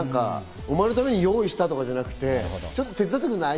お前のために用意したとかじゃなくて手伝ってくんない？